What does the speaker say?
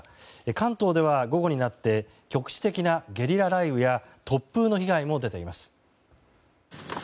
関東では午後になって局地的なゲリラ雷雨や突風の被害も出ています。